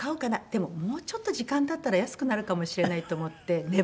でももうちょっと時間経ったら安くなるかもしれないと思って粘るんです。